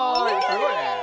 すごいね！